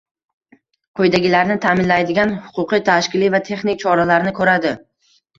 quyidagilarni ta’minlaydigan huquqiy, tashkiliy va texnik choralarni ko‘radi: